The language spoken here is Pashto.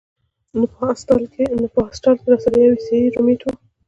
نو پۀ هاسټل کښې راسره يو عيسائي رومېټ وۀ